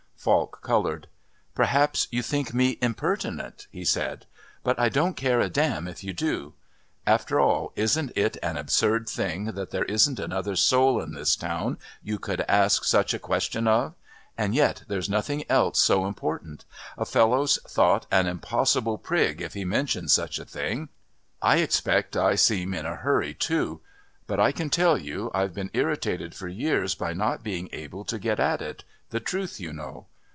Falk coloured. "Perhaps you think me impertinent," he said. "But I don't care a damn if you do. After all, isn't it an absurd thing that there isn't another soul in this town you could ask such a question of? And yet there's nothing else so important. A fellow's thought an impossible prig if he mentions such a thing. I expect I seem in a hurry too, but I can tell you I've been irritated for years by not being able to get at it the truth, you know.